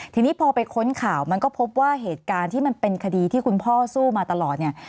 ทีนี้พอไปค้นข่าวมันก็พบว่าเหตุการณ์ที่มันเป็นคดีที่คุณพ่อสู้มาตลอดเนี่ย